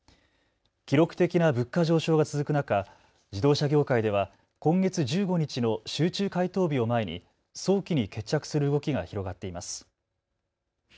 記録的な物価上昇が続く中、自動車業界では今月１５日の集中回答日を前に早期に決着する動きが広がっています。